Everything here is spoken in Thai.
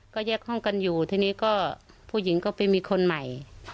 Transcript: ก็แยกห้องกันอยู่ทีนี้ก็ผู้หญิงก็ไปมีคนใหม่